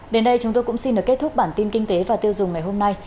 đến đây chúng tôi cũng xin được kết thúc bản tin kinh tế và tiêu dùng ngày hôm nay